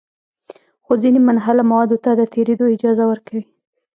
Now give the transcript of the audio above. خو ځینې منحله موادو ته د تېرېدو اجازه ورکوي.